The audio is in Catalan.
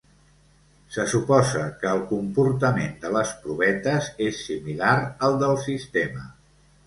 Se suposa que el comportament de les provetes és similar al del sistema.